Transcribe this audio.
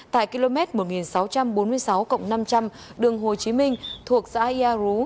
tại km một nghìn sáu trăm bốn mươi sáu năm trăm linh đường hồ chí minh thuộc xã yà rú